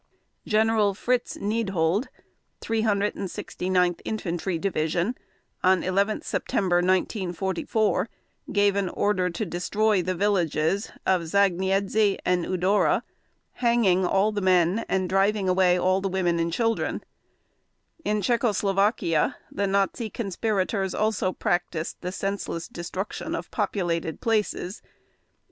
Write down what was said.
General Fritz Neidhold (369 Infantry Division) on 11 September 1944, gave an order to destroy the villages of Zagniezde and Udora, hanging all the men and driving away all the women and children. In Czechoslovakia the Nazi conspirators also practiced the senseless destruction of populated places.